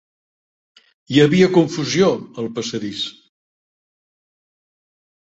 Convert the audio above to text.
Hi havia confusió al passadís.